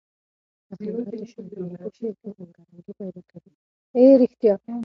تحولات د شاعرانو په شعر کې رنګارنګي پیدا کوي.